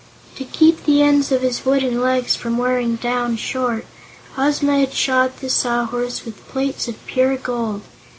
To keep the ends of his wooden legs from wearing down short, Ozma had shod the Sawhorse with plates of pure gold.